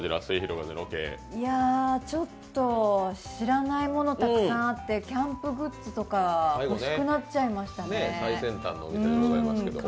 ちょっと知らないものたくさんあってキャンプグッズとか欲しくなっちゃいましたね。